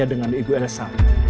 hanya dengan ibu elsa